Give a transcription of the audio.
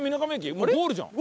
もうゴールじゃん。